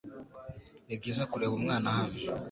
Nibyiza kureba umwana hano .